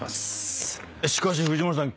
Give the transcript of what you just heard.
しかし藤森さん